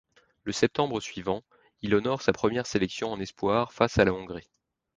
Le septembre suivant, il honore sa première sélection en espoirs face à la Hongrie.